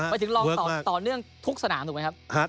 ถึงลองต่อเนื่องทุกสนามถูกไหมครับ